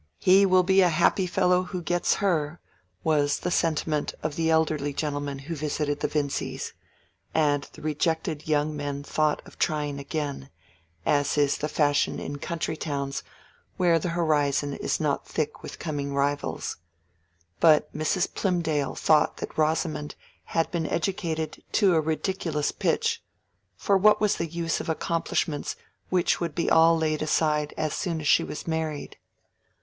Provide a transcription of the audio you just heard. He will be a happy fellow who gets her!" was the sentiment of the elderly gentlemen who visited the Vincys; and the rejected young men thought of trying again, as is the fashion in country towns where the horizon is not thick with coming rivals. But Mrs. Plymdale thought that Rosamond had been educated to a ridiculous pitch, for what was the use of accomplishments which would be all laid aside as soon as she was married?